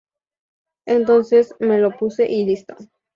Entonces me lo puse y listo.